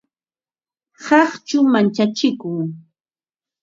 Qaqchu manchachiku